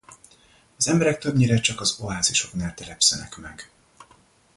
Az emberek többnyire csak az oázisoknál telepszenek meg.